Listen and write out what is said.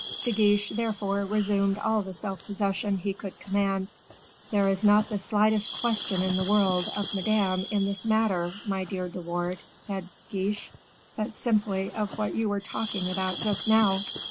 De Guiche therefore resumed all the self possession he could command. "There is not the slightest question in the world of Madame in this matter, my dear De Wardes." said Guiche, "but simply of what you were talking about just now."